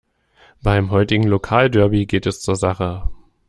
Beim heutigen Lokalderby geht es zur Sache.